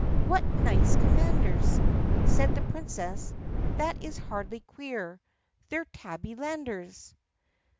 What nice commanders!" Said the Princess, "That is hardly queer, They're Tabby landers!"